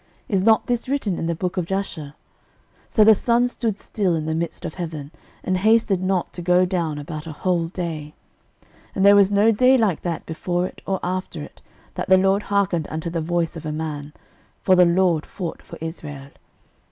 Is not this written in the book of Jasher? So the sun stood still in the midst of heaven, and hasted not to go down about a whole day. 06:010:014 And there was no day like that before it or after it, that the LORD hearkened unto the voice of a man: for the LORD fought for Israel.